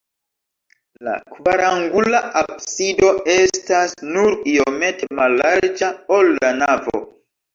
La kvarangula absido estas nur iomete mallarĝa, ol la navo.